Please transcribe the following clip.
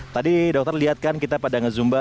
tadi dokter liat kan kita pada ngezumba